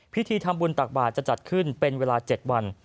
พิธีทำบุญตักบาทจะจัดขึ้นเป็นเวลา๗วัน